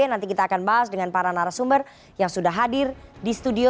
nanti kita akan bahas dengan para narasumber yang sudah hadir di studio